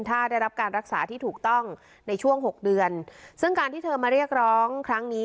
ถ้าได้รับการรักษาที่ถูกต้องในช่วงหกเดือนซึ่งการที่เธอมาเรียกร้องครั้งนี้